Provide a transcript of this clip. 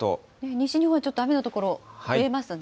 西日本はちょっと雨の所、増えますね。